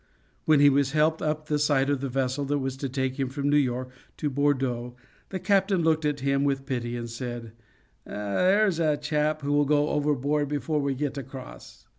When he was helped up the side of the vessel that was to take him from New York to Bordeaux, the captain looked at him with pity and said, "There's a chap who will go overboard before we get across."